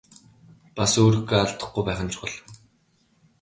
Бас өөрийгөө алдахгүй байх нь чухал.